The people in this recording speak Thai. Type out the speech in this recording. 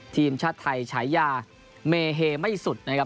ทีมชาติไทยฉายาเมเฮไม่สุดนะครับ